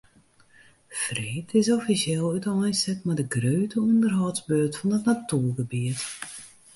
Freed is offisjeel úteinset mei de grutte ûnderhâldsbeurt fan it natuergebiet.